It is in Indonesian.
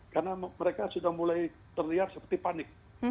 karena mereka sudah mulai terlihat seperti panik